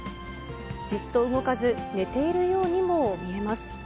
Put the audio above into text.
じっと動かず、寝ているようにも見えます。